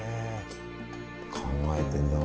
考えてんだな。